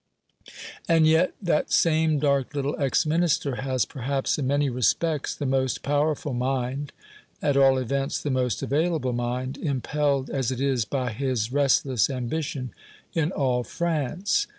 "And yet that same dark little ex Minister has perhaps, in many respects the most powerful mind at all events, the most available mind impelled as it is by his restless ambition, in all France.